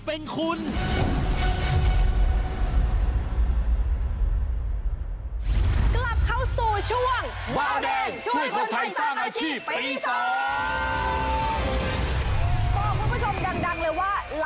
แตกแล้ว